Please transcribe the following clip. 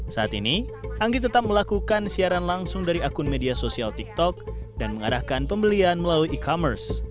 saat ini anggi tetap melakukan siaran langsung dari akun media sosial tiktok dan mengarahkan pembelian melalui e commerce